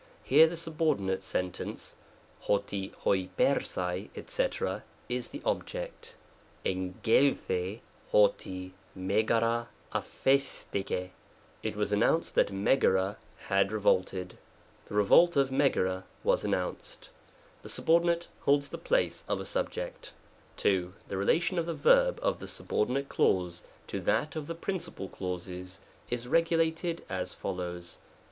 Here the subordinate sentence ore ol nkqcuiy &c., is the object. r^yyaXd i] on Mayaga dq)b6Trixt^ " it was announced that Megara had revolted," = the revolt of Megara was announced. The subordinate holds the place of a subject. 2. The relation of the verb of the subordinate clause to that of the principal clauses, is regulated as follows : 3.